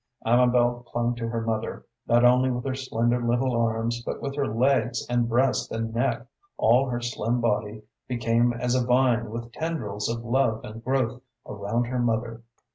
Amabel clung to her mother, not only with her slender little arms, but with her legs and breast and neck; all her slim body became as a vine with tendrils of love and growth around her mother.